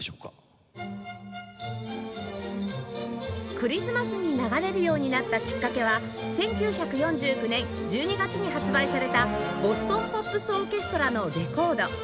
クリスマスに流れるようになったきっかけは１９４９年１２月に発売されたボストン・ポップス・オーケストラのレコード